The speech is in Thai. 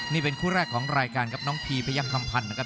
นี่เป็นคู่แรกของรายการครับน้องพีพยักษัมพันธ์นะครับ